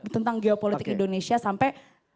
tentang geopolitik indonesia sampai